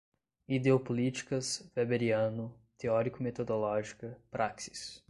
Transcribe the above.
Ideopolíticas, weberiano, teórico-metodológica, práxis